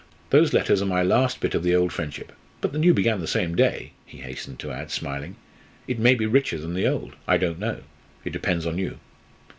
Those letters are my last bit of the old friendship. But the new began that same day," he hastened to add, smiling: "It may be richer than the old; I don't know. It depends on you."